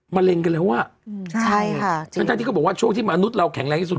มะเร็งกันแล้วอะถ้าที่เขาบอกว่าช่วงที่มนุษย์เราแข็งแรงที่สุด